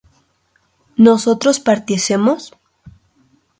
¿nosotros partiésemos?